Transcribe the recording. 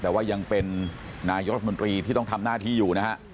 แต่ว่ายังเป็นนายกรัฐมนตรีที่ต้องทำหน้าที่อยู่นะฮะ